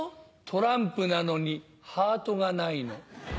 トランプなのにハートがないの。